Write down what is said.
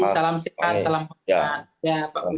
salam sehat salam kemampuan